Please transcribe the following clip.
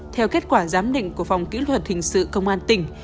theo kết quả giám định của phòng kỹ thuật hình sự công an tỉnh